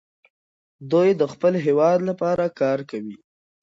دوی د خپل هېواد لپاره کار کوي.